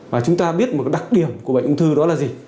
và chúng ta biết một đặc điểm của bệnh ung thư đó là gì